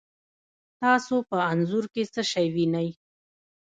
تاسو په انځور کې څه شی وینئ؟